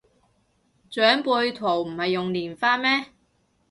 長輩圖唔係用蓮花咩